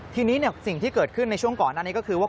ทีนี้สิ่งที่เกิดขึ้นในช่วงก่อนอันนี้ก็คือว่า